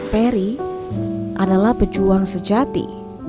peri adalah pejuang sejati